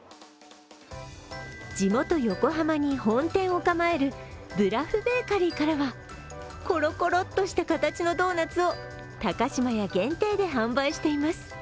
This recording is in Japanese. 地元・横浜に本店を構えるブラフベーカリーからはころころっとした形のドーナツを高島屋限定で販売しています。